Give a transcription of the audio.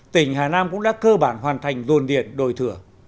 tỉnh hà nam cũng đã cơ bản hoàn thành dồn điền đổi thừa